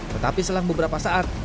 tetapi selang beberapa saat